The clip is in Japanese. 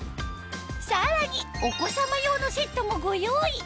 さらにお子様用のセットもご用意